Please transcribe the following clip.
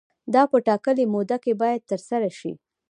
دا په ټاکلې موده کې باید ترسره شي.